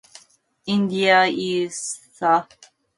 India is the birthplace of Hinduism, Buddhism, Jainism, and Sikhism.